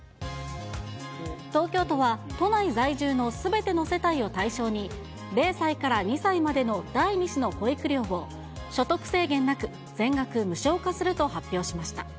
東京都は、都内在住のすべての世帯を対象に、０歳から２歳までの第２子の保育料を所得制限なく、全額無償化すると発表しました。